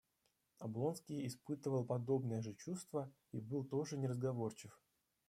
Облонский испытывал подобное же чувство и был тоже неразговорчив.